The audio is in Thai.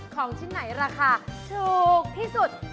ของชิ้นไหนราคาถูกที่สุด